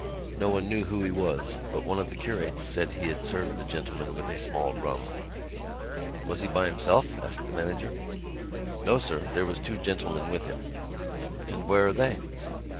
No one knew who he was but one of the curates said he had served the gentleman with a small rum. "Was he by himself?" asked the manager. "No, sir. There was two gentlemen with him." "And where are they?"